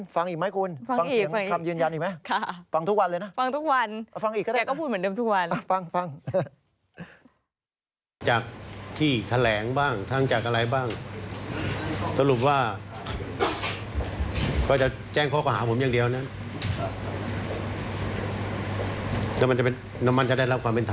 ฟังอีกไหมคุณฟังเสียงคำยืนยันอีกไหมฟังทุกวันเลยนะ